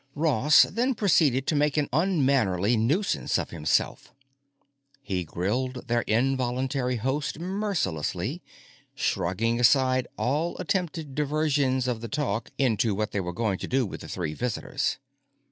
Ross then proceeded to make an unmannerly nuisance of himself. He grilled their involuntary host mercilessly, shrugging aside all attempted diversions of the talk into what they were going to do with the three visitors.